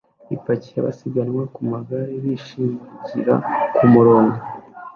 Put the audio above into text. Ipaki yabasiganwa ku magare bishimangira umurongo